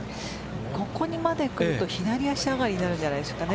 ここにまでくると左足上がりになるんじゃないでしょうか。